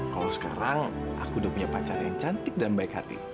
kalau sekarang aku udah punya pacar yang cantik dan baik hati